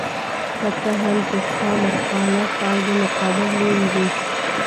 که څه هم چې ستا مخالف او د مقابل لوري وي.